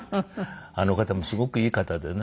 あの方もすごくいい方でね。